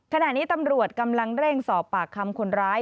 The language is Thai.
ขณะนี้ตำรวจกำลังเร่งสอบปากคำคนร้าย